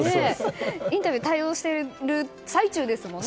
インタビューに対応している最中ですもんね